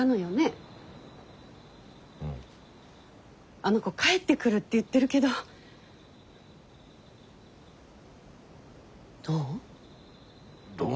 あの子帰ってくるって言ってるけどどう？